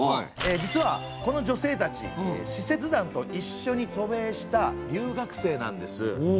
実はこの女性たち使節団と一緒に渡米した留学生なんです。